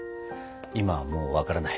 今はもう分からない。